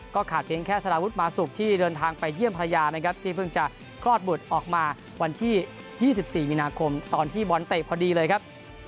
ก็ขาดเพียงแค่สารวุธมาสุกที่เดินทางไปเยี่ยมพระยานะครับที่เพิ่งจะกรอดบุฏออกมาวันที่๒๔มิคใต้ผลดีเลยครับ